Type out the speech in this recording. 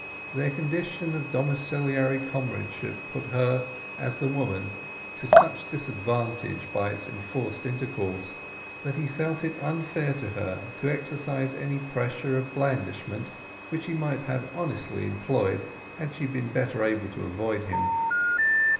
Their condition of domiciliary comradeship put her, as the woman, to such disadvantage by its enforced intercourse, that he felt it unfair to her to exercise any pressure of blandishment which he might have honestly employed had she been better able to avoid him.